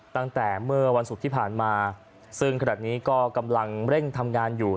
ตั้งแต่เมื่อวันศุกร์ที่ผ่านมาซึ่งขณะนี้ก็กำลังเร่งทำงานอยู่